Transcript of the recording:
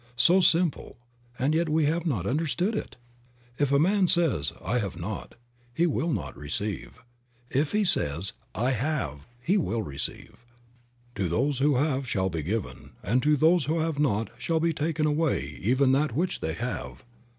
So simple, and yet we have not understood it! If a man says, "I have not," he will not receive; if he says, "I have," he will receive. "To those who have shall be given, and to those who have not shall be taken away even that which they have."